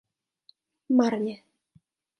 Marně.